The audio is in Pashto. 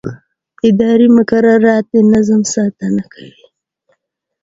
اداري مقررات د نظم ساتنه کوي.